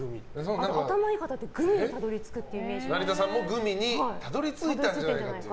頭がいい方ってグミにたどり着くっていう成田さんもグミにたどり着いたんじゃないかという。